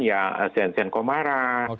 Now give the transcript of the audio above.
ya sen sen komara